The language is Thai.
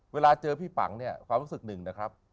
เวลาเจอพี่ปังเนี่ยความรู้สึกหนึ่งนะครับ